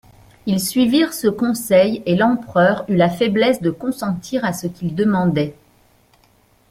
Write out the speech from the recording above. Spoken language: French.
Ils suivirent ce conseil, et l'empereur eut la faiblesse de consentir à ce qu'ils demandaient.